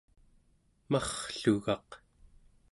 marrlugaq